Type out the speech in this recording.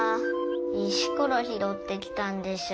石ころひろってきたんでしょ。